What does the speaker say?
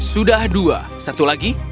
sudah dua satu lagi